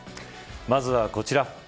まずは、こちら。